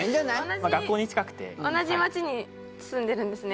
まあ学校に近くてはい同じ町に住んでるんですね